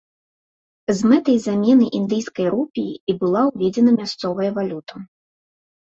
З мэтай замены індыйскай рупіі і была ўведзена мясцовая валюта.